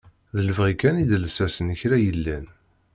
D lebɣi kan i d lsas n kra yellan.